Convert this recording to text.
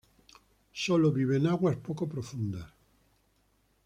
Sólo vive en aguas poco profundas.